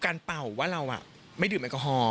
การเตาวว่าเราไม่ดื่มอักหอม